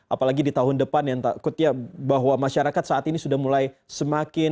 apalagi di tahun depan yang takutnya bahwa masyarakat saat ini sudah mulai semakin